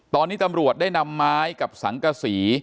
ตอนนี้ตำรวจได้นำไม้กับสังกษี